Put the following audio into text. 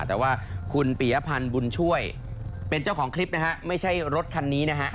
แต่ว่าคุณปียพันธ์บุญช่วยเป็นเจ้าของคลิปนะฮะไม่ใช่รถคันนี้นะฮะ